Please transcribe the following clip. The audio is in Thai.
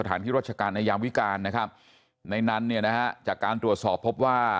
ในนั้นเนี่ยนะครับจากการตรวจสอบพบว่า